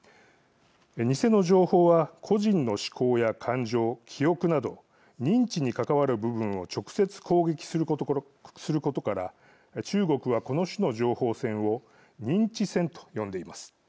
偽の情報は、個人の思考や感情、記憶など認知に関わる部分を直接攻撃することから中国はこの種の情報戦を認知戦と呼んでいます。